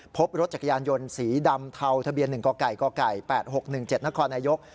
พบรถจักรยานยนต์สีดำเทาทะเบียน๑กไก่กไก่๘๖๑๗นครนายก